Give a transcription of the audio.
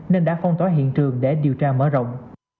nên đã phong tỏa hiện trường để điều tra mở rộng